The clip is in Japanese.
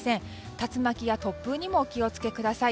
竜巻や突風にもお気を付けください。